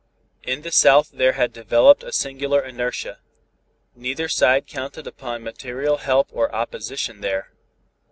In the south there had developed a singular inertia. Neither side counted upon material help or opposition there.